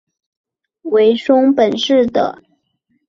为松本市的。